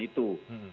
itu tidak ada